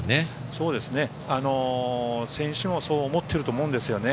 そうですね、選手もそう思っていると思うんですよね。